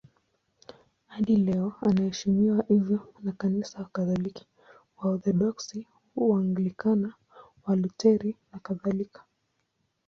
Hadi leo anaheshimiwa hivyo na Kanisa Katoliki, Waorthodoksi, Waanglikana, Walutheri nakadhalika.